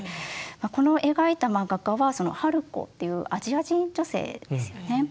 この描いた画家は春子っていうアジア人女性ですよね。